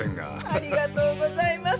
ありがとうございます。